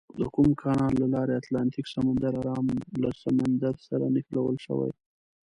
د کوم کانال له لارې اتلانتیک سمندر ارام له سمندر سره نښلول شوي؟